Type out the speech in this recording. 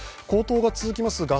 高騰が続きます